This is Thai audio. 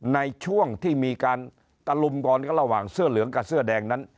ในช่วงที่มีการตะลุมบอลกันระหว่างเสื้อเหลืองกับเสื้อแดงนั้น